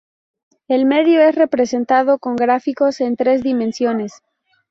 El medio es representado con gráficos en tres dimensiones.